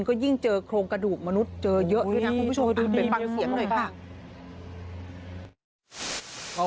ก็ยิ่งเจอโครงกระดูกมนุษย์เจอเยอะด้วยนะคุณผู้ชมไปฟังเสียงหน่อยค่ะ